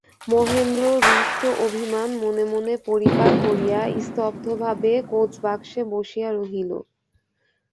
মহেন্দ্র রুষ্ট অভিমান মনে মনে পরিপাক করিয়া স্তব্ধভাবে কোচবাক্সে বসিয়া রহিল।